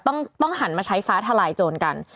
ต้องหันมาใช้ฟ้าทลายโจรกัน